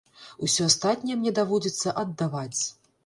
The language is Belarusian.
Усё астатняе мне даводзіцца аддаваць.